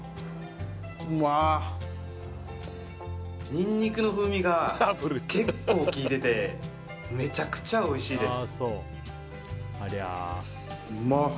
にんにくの風味が結構きいててめちゃくちゃおいしいです